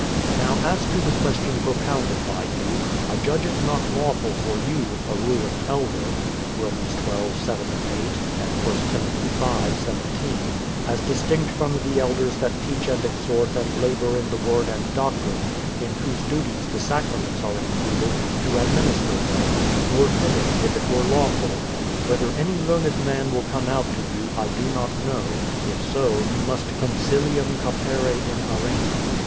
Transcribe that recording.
Now as to the question propounded by j'ou : I judge it not lawful for you, — a ruling elder (Rom. xii, 7, 8; and I Tim. v, 17), as dis tinct from the elders that teach and exhort and labour in the word and doctrine, in whose duties the sacraments are included, to ad minister them, — nor fitting, if it were lawful. Whether any learned man will come out to you, I do not know; if so, you must Con silium capere in arena.